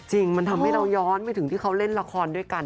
จริงมันทำให้เราย้อนไปถึงที่เขาเล่นละครด้วยกัน